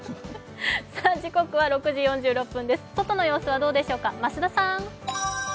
さあ、外の様子はどうでしょうか、増田さん。